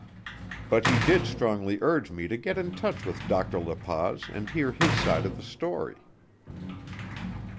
But he did strongly urge me to get in touch with Dr. La Paz and hear his side of the story.